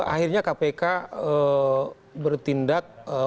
akhirnya kpk bertindak